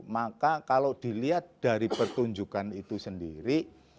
maka kalau dilihat dari pertunjukan itu sendiri